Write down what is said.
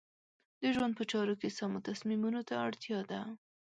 د ژوند په چارو کې سمو تصمیمونو ته اړتیا ده.